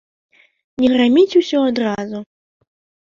Не граміць усё адразу.